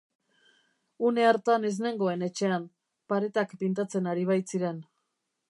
Une hartan ez nengoen etxean, paretak pintatzen ari baitziren.